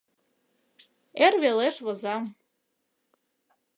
Эр велеш возам.